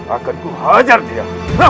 akan ku hajar dia